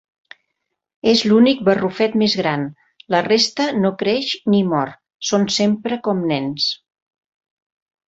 És l'únic barrufet més gran, la resta no creix ni mor, són sempre com nens.